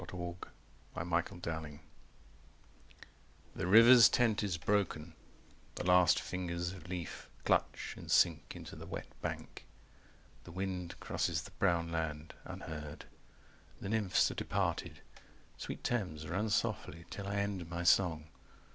THE FIRE SERMON The river's tent is broken: the last fingers of leaf Clutch and sink into the wet bank. The wind Crosses the brown land, unheard. The nymphs are departed. Sweet Thames, run softly, till I end my song.